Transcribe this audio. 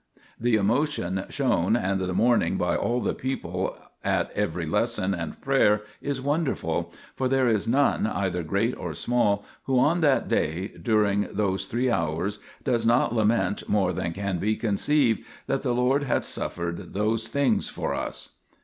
The emotion shown and the mourning by all the people at every lesson and prayer is wonderful ; for there is none, either great or small, who, on that day during those three hours, does not lament more than can be conceived, that the Lord had suffered those things for us.